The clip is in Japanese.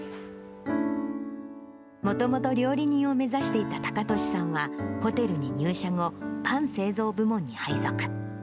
もともと料理人を目指していた隆敏さんは、ホテルに入社後、パン製造部門に配属。